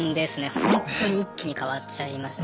ほんとに一気に変わっちゃいました。